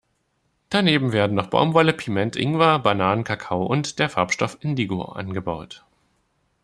Daneben werden noch Baumwolle, Piment, Ingwer, Bananen, Kakao und der Farbstoff Indigo angebaut.